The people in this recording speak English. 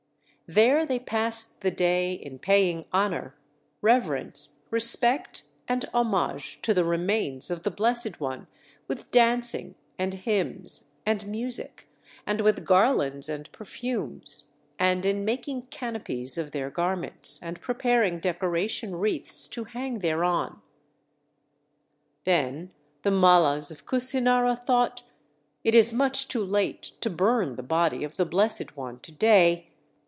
There they passed the day in paying honor, reverence, respect, and homage to the remains of the Blessed One with dancing, and hymns, and music, and with garlands and perfumes; and in making canopies of their garments, and preparing decoration wreaths to hang thereon. Then the Mallas of Kusinara thought: "It is much too late to burn the body of the Blessed One to day.